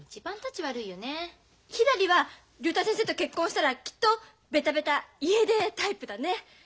ひらりは竜太先生と結婚したらきっとベタベタ家出タイプだね。